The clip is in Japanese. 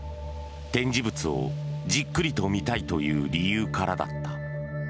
展示物をじっくりと見たいという理由からだった。